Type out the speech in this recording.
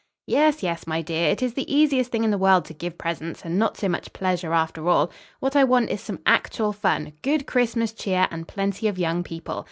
"Yes, yes, my dear. It is the easiest thing in the world to give presents and not so much pleasure after all. What I want is some actual fun, good Christmas cheer and plenty of young people.